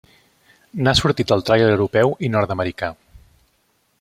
N'ha sortit el tràiler europeu i nord-americà.